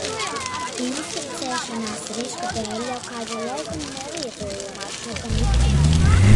Inficēšanās risku dēļ jau kādu laiku nelietoju maršruta mikriņus.